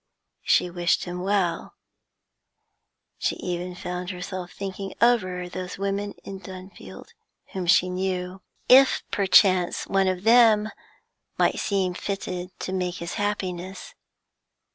She wished him well; she even found herself thinking over those women in Dunfield whom she knew, if perchance one of them might seem fitted to make his happiness.